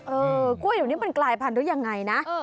กล้วยเดี๋ยวนี้มันกลายพันธุ์ยังไงนะ